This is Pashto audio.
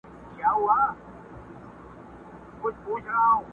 خلاصه خوله کي دوه غاښونه ځلېدلي.!